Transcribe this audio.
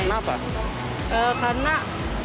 karena banyak sekali yang belanja online